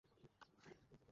মাস্টারকে তাহলে কী করবো?